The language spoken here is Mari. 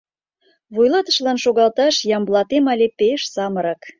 Вуйлатышылан шогалташ Ямблатем але пеш самырык...